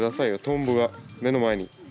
トンボが目の前に。